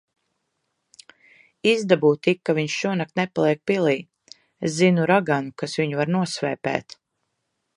Izdabū tik, ka viņš šonakt nepaliek pilī. Es zinu raganu, kas viņu var nosvēpēt.